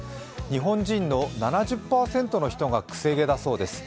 日本人の７０％の人が癖毛だそうです。